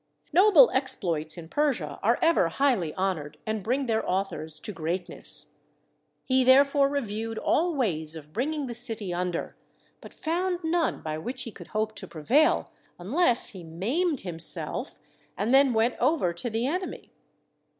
Noble exploits in Persia are ever highly honoured and bring their authors to great ness. He therefore reviewed all ways of bringing the city under, but found none by which he could hope to prevail, unless he maimed himself and^then 60 THE SEVEN WONDERS went over to the enemy.